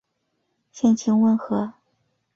性情温和。